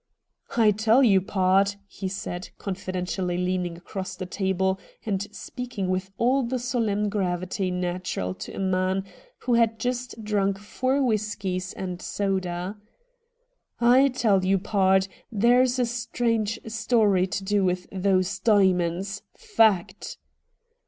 ' I tell you, pard,' he said, confidentially leaning across the table and speaking with all the solemn gravity natural to a man who had just drunk four whiskies and a soda, 'I tell you, pard, there's a strange story to do with those diamonds. Fact